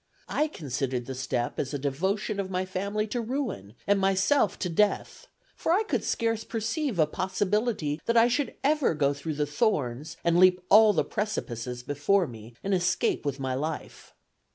I considered the step as a devotion of my family to ruin, and myself to death; for I could scarce perceive a possibility that I should ever go through the thorns and leap all the precipices before me and escape with my life.